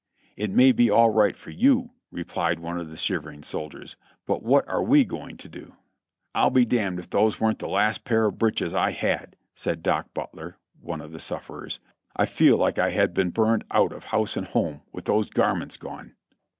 "It may be all right for you," replied one of the shivering sol diers, "but what are we going to do?" "I'll be damned if those weren't the last pair of breeches I had!" said Doc. Butler, one of the sufferers. "I feel like I had been burned out of house and home, with those garments gone."